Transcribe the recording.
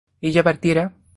¿ella partiera?